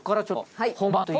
はい。